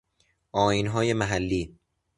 آئین های محلی